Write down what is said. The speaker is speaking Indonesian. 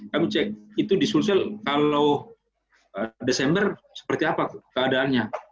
kami cek itu di sulsel kalau desember seperti apa keadaannya